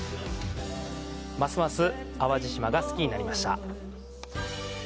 ますます淡路島が好きになりました。